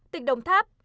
tỉnh đồng tháp